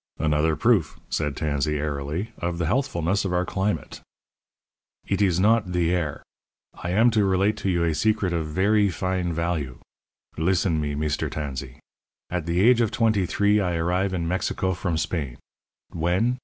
"Another proof," said Tansey, airily, "of the healthfulness of our climate." "Eet is not the air. I am to relate to you a secret of verree fine value. Listen me, Meester Tansee. At the age of twenty three I arrive in Mexico from Spain. When?